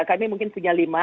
kami mungkin punya lima